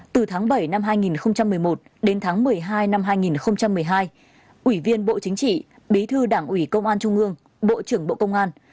từ tháng bảy năm hai nghìn một mươi một đến tháng một mươi hai năm hai nghìn một mươi hai ủy viên bộ chính trị bí thư đảng ủy công an trung ương bộ trưởng bộ công an